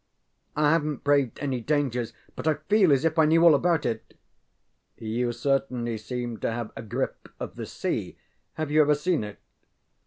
ŌĆÖ ŌĆ£I havenŌĆÖt braved any dangers, but I feel as if I knew all about it. ŌĆØ ŌĆ£You certainly seem to have a grip of the sea. Have you ever seen it?